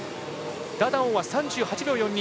ダダオン、３８秒４２。